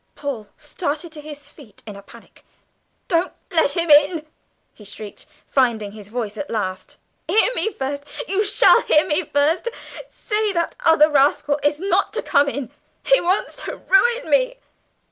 Paul started to his feet in a panic. "Don't let him in!" he shrieked, finding his voice at last. "Hear me first you shall hear me first! Say that other rascal is not to come in. He wants to ruin me!"